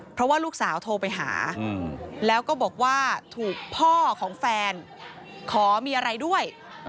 เพราะว่าลูกสาวโทรไปหาแล้วก็บอกว่าถูกพ่อของแฟนขอมีอะไรด้วย